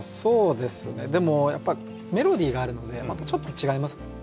でもやっぱメロディーがあるのでまたちょっと違いますね。